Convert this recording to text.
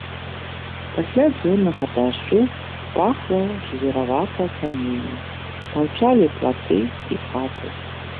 Пасля дзённага дажджу пахла жвіраватае каменне, маўчалі платы і хаты.